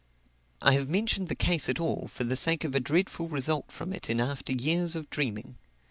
I have mentioned the case at all for the sake of a dreadful result from it in after years of dreaming.